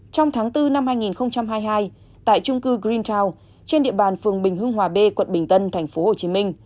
trong tháng bốn năm hai nghìn hai mươi hai tại trung cư greentiwn trên địa bàn phường bình hưng hòa b quận bình tân tp hcm